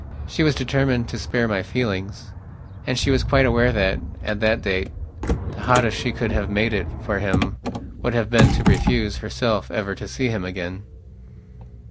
She was determined to spare my feelings. And she was quite aware that, at that date, the hottest she could have made it for him would have been to refuse, herself, ever to see him again....